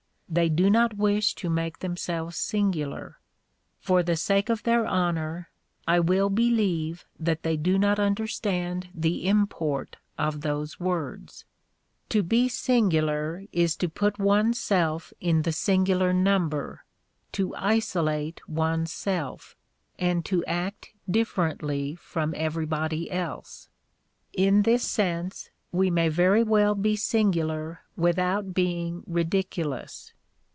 They do not wish to make themselves singular. For the sake of their honor, I will believe that they do not understand the import of those words. To be singular, is to put one s self in the singu 236 The Sign of the Cross lar number, to isolate one s self, and to act differently from everybody else. In this sense we may very well be singular without being ridiculous.